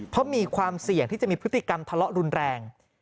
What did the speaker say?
เพราะมีความเสี่ยงที่จะมีพฤติกรรมทะเลาะรุนแรง